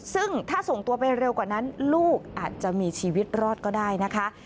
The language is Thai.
ซึ่งถ้าส่งตัวไปเร็วกว่านั้นลูกอาจจะมีชีวิตรอดก็ได้นะคะ